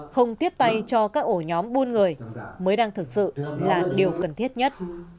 không tiếp tay cho các ổ nhóm buôn người mới đang thực sự là điều cần thiết nhất